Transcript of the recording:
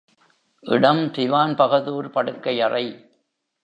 இடம் திவான் பகதூர் படுக்கை அறை.